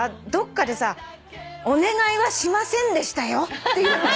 どっかでさ「お願いはしませんでしたよ」っていう。